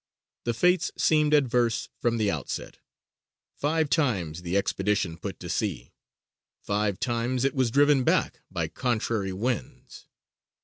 The Fates seemed adverse from the outset. Five times the expedition put to sea; five times was it driven back by contrary winds.